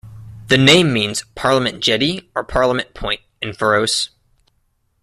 The name means "parliament jetty" or "parliament point" in Faroese.